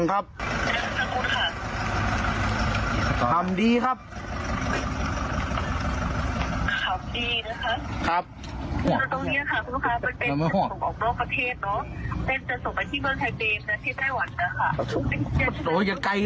ที่ไหนที่ไหนที่ไหน